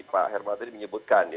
pak hermantri menyebutkan